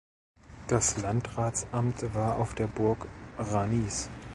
Das Landratsamt war auf der Burg Ranis.